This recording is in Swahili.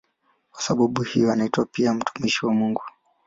Kwa sababu hiyo anaitwa pia "mtumishi wa Mungu".